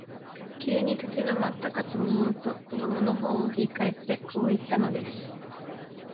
急に立ち止まったかと思うと、子供のほうを振り返って、こう言ったのです。